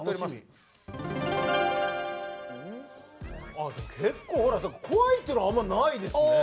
あ結構でも怖いっていうのはあんまりないですね。